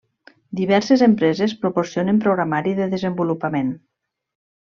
Diverses empreses proporcionen programari de desenvolupament.